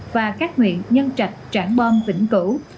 và các nguyện nhân trạch trạng bom tỉnh cửu